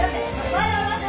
待て待て！